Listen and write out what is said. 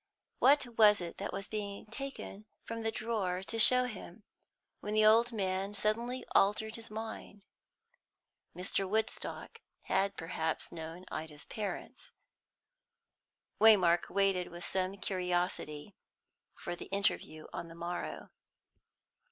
What was it that was being taken from the drawer to show him, when the old man suddenly altered his mind? Mr. Woodstock had perhaps known Ida's parents. Waymark waited with some curiosity for the interview on the morrow.